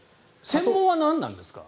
専門は何なんですか？